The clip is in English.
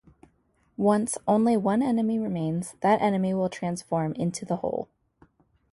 Once only one enemy remains, that enemy will transform into the hole.